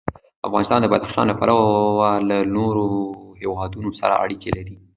افغانستان د بدخشان له پلوه له نورو هېوادونو سره اړیکې لري.